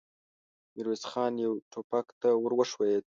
ميرويس خان يوه ټوپک ته ور وښويېد.